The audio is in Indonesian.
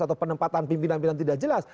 atau penempatan pimpinan pimpinan tidak jelas